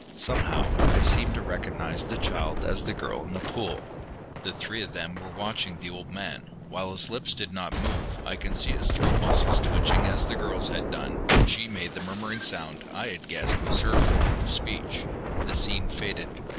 Somehow I seemed to recognize the child as the girl in the pool. The three of them were watching the old man. While his lips did not move, I could see his throat muscles twitching as the girl's had done when she made the murmuring sound I had guessed was her form of speech. The scene faded.